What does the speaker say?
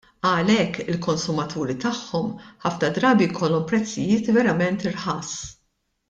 Għalhekk il-konsumaturi tagħhom, ħafna drabi jkollhom prezzijiet verament irħas.